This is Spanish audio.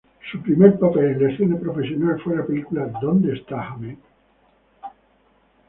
Su primer papel en la escena profesional fue la película "“¿Dónde está Ahmed?